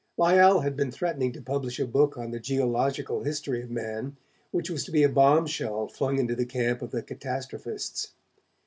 Lyell had been threatening to publish a book on the geological history of Man, which was to be a bombshell flung into the camp of the catastrophists.